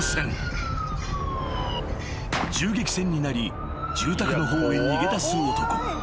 ［銃撃戦になり住宅の方へ逃げ出す男］